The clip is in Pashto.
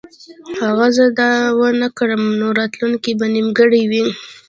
که زه دا ونه کړم نو راتلونکی به نیمګړی وي